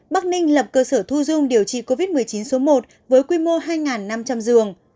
bắc ninh lập cơ sở thu dung điều trị covid một mươi chín số một với quy mô hai năm trăm linh giường